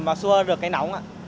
mà xua được cái nóng ạ